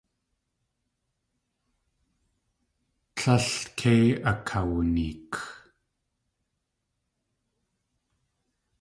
Tlél kei akawuneek.